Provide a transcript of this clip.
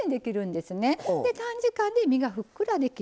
で短時間で身がふっくらできる。